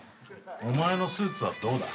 お前のスーツはどうだ？